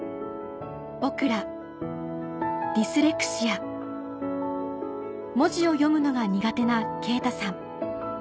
ぼくらディスレクシア文字を読むのが苦手な勁太さん